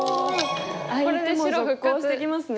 これで白復活してきますね。